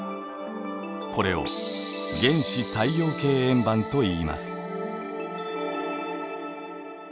これを原始太陽系円盤といいます。